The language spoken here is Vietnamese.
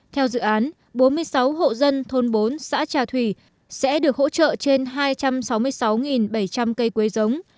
theo dự án bốn mươi sáu hộ dân thôn bốn xã trà thủy sẽ được hỗ trợ trên hai trăm sáu mươi sáu bảy trăm linh cây quế giống